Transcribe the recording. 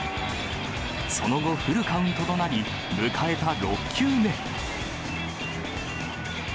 その後、フルカウントとなり、迎えた６球目。